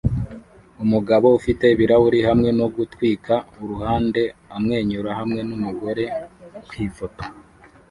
Umugabo ufite ibirahuri hamwe no gutwika uruhande amwenyura hamwe numugore kwifoto